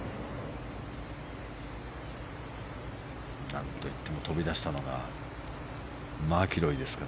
何と言っても飛び出したのがマキロイですよ。